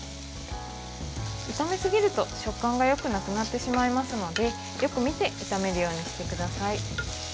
炒めすぎると食感がよくなくなってしまいますのでよく見て炒めるようにしてください。